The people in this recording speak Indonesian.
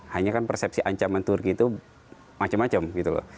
hanya kan persepsi ancaman turki itu macam macam gitu loh